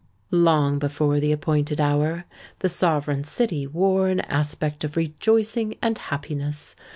Long before the appointed hour, the sovereign city wore an aspect of rejoicing and happiness.